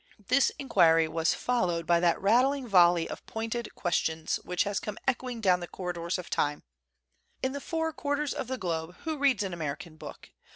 This inquiry was followed by that rattling volley of pointed questions which has come echoing down the corridors of time: In the four quarters of the globe, who reads an American book